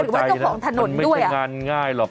หรือว่าเกี่ยวกับของถนนด้วยอ่ะมันไม่ใช่งานง่ายหรอก